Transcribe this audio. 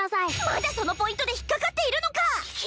まだそのポイントで引っかかっているのか！